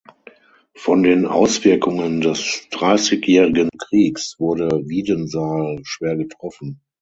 Von den Auswirkungen des Dreißigjährigen Kriegs wurde Wiedensahl schwer getroffen.